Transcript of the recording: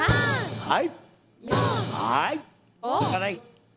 はい！